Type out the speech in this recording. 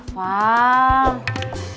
bukan karena apa